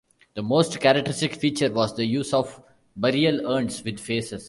The most characteristic feature was the use of burial urns with faces.